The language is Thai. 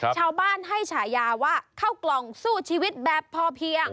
ชาวบ้านให้ฉายาว่าเข้ากล่องสู้ชีวิตแบบพอเพียง